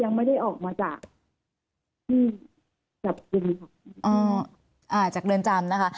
ยังไม่ได้ออกมาจากที่จับกลุ่มค่ะจากเรือนจำนะคะ